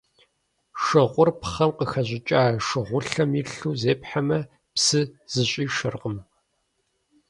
Шыгъур пхъэм къыхэщӀыкӀа шыгъулъэм илъу зепхьэмэ, псы зыщӀишэркъым.